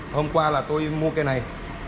hôm qua là tôi mua cây này